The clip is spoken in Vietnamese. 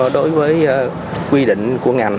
đối với quy định của ngành